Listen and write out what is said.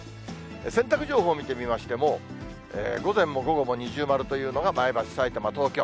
洗濯情報見てみましても、午前も午後もにじゅうまるというのが前橋、さいたま、東京。